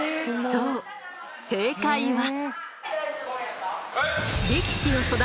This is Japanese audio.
そう正解は。